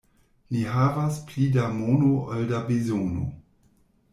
Li havas pli da mono ol da bezono.